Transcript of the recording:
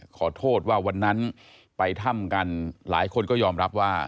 ขอโทษว่าวันนั้นไปถ้ำกันหลายคนก็ยอมรับว่า